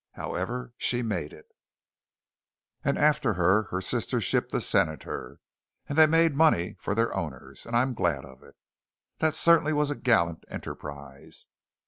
However, she made it; and after her her sister ship, the Senator, and they made money for their owners, and I am glad of it. That certainly was a gallant enterprise!